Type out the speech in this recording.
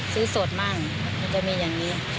ซื้อสดบ้างมันจะมีอย่างนี้